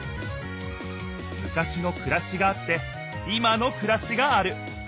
昔のくらしがあって今のくらしがある。